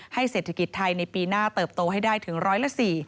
เศรษฐกิจไทยในปีหน้าเติบโตให้ได้ถึงร้อยละ๔